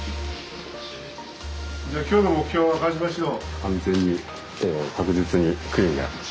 じゃあ今日の目標を川島指導。